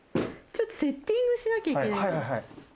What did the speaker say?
ちょっとセッティングしなきゃいけない。